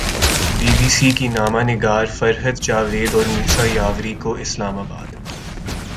be B C کی نامہ نگار فرحت جاوید اور موسی یاوری کو اسلام آباد